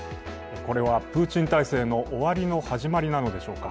これはプーチン体制の終わりの始まりなのでしょうか。